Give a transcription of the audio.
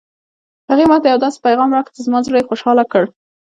هغې ما ته یو داسې پېغام راکړ چې زما زړه یې خوشحاله کړ